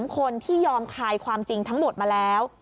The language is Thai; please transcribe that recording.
คนที่ยอมคายความจริงทั้งหมดมาแล้ว